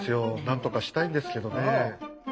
なんとかしたいんですけどねえ。